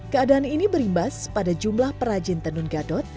keadaan ini berimbas pada jumlah perajin tenun gadot